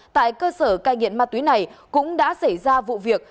tại cơ sở cai nghiện ma túy này cũng đã xảy ra vụ việc